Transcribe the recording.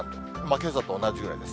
けさと同じぐらいです。